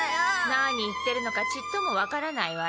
何言ってるのかちっともわからないわよ。